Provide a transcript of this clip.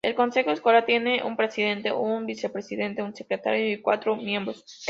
El consejo escolar tiene un presidente, un vicepresidente, un secretario, y cuatro miembros.